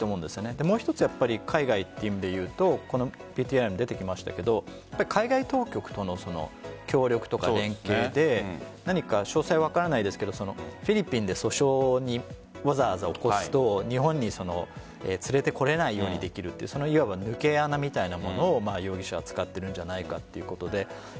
もう一つ海外という意味で言うとＶＴＲにもありましたけど海外当局との協力とか連携で何か詳細は分からないですがフィリピンで訴訟をわざわざ起こすと日本に連れてこれないようにできるといういわば抜け穴みたいなものを容疑者は使ってるんじゃないかということで。